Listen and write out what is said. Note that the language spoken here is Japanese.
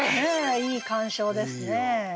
いい鑑賞ですね。